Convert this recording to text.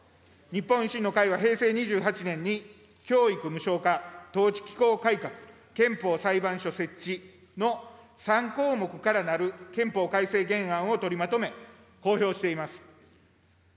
日本維新の会は平成２８年に教育無償化、統治機構改革、憲法裁判所設置の３項目からなる憲法改正原案を取りまとめ、公表しています。